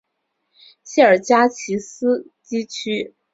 谢尔加奇斯基区。